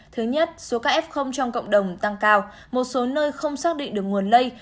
thứ nhất số các f trong cộng đồng tăng cao một số nơi không xác định được nguồn lây